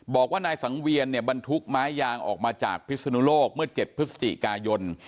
บอกว่านายสังเวียนเนี่ยบรรทุกไม้ยางออกมาจากพิศนุโลกเมื่อ๗พฤศจิกายน